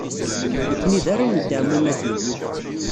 Nekkni d arraw n teɛmumatin.